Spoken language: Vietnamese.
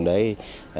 để ăn nhậu